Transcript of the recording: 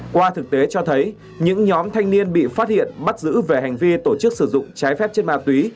qua thực tế cho thấy những nhóm thanh niên bị phát hiện bắt giữ về hành vi tổ chức sử dụng trái phép chất ma túy